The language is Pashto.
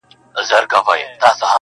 • تندر غورځولی یمه څاڅکی د باران یمه -